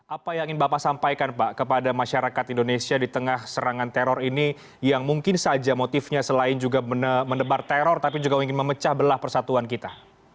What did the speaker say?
apa yang ingin bapak sampaikan pak kepada masyarakat indonesia di tengah serangan teror ini yang mungkin saja motifnya selain juga mendebar teror tapi juga ingin memecah belah persatuan kita